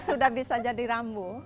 sudah bisa jadi rambu